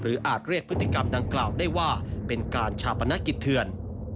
อาจเรียกพฤติกรรมดังกล่าวได้ว่าเป็นการชาปนกิจเถื่อน